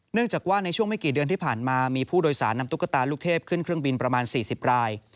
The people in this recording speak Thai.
จากว่าในช่วงไม่กี่เดือนที่ผ่านมามีผู้โดยสารนำตุ๊กตาลูกเทพขึ้นเครื่องบินประมาณ๔๐ราย